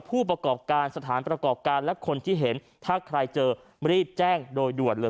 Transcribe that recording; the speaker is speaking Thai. ผู้ประกอบการสถานประกอบการและคนที่เห็นถ้าใครเจอรีบแจ้งโดยด่วนเลย